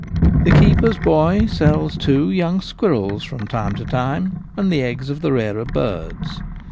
The keeper's boy sells, too, young squirrels from time to time, and the eggs of the rarer birds.